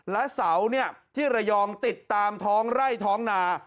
และเสาที่ระยองติดตามท้องไร่ท้องนา